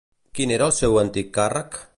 Quin era el seu antic càrrec?